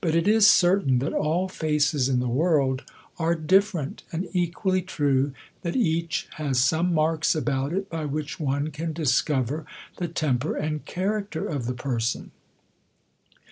it is certain that all faces in the world are different ;j and equally true, that each has some marks about it,^ by which one can discover the temper and character of the person..